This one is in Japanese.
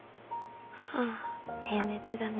ああ平熱だね。